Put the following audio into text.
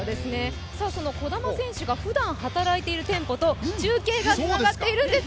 その児玉選手がふだん働いている店舗と中継がつながっているんです。